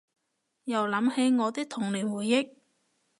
又諗起我啲童年回憶